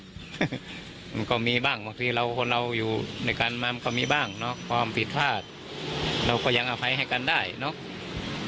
มันก็มีบ้างบางทีเราคนเราอยู่ด้วยกันมามันก็มีบ้างเนาะความผิดพลาดเราก็ยังอภัยให้กันได้เนอะ